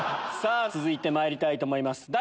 続いてまいりたいと思います